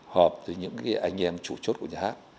họp từ những anh em chủ chốt của nhà hát